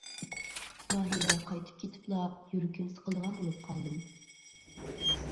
ماھىرە قايتىپ كېتىپلا يۈرىكىم سىقىلىدىغان بولۇپ قالدىم.